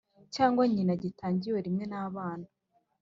Cyangwa nyina gitangiwe rimwe n abana